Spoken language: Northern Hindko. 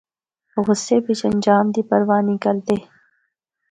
غصے بچ انجام دی پرواہ نیں کردے۔